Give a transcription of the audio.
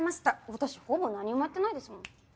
私ほぼ何もやってないですもん。